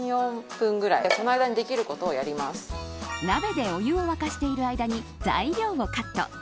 鍋でお湯を沸かしている間に材料をカット。